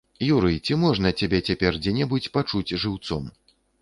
Юрый, ці можна цябе цяпер дзе-небудзь пачуць жыўцом?